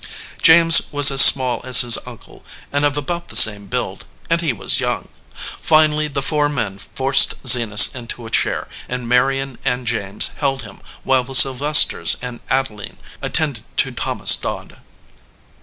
James was as small as his uncle and of about the same build, and he was young. Finally the four men forced Zenas into a chair, and Marion and James held him while the Sylvesters and Adeline attended to Thomas Dodd.